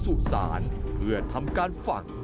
หลังจากนั้นจะนำศพลงไปฝัง